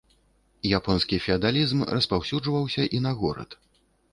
Японскі феадалізм распаўсюджваўся і на горад.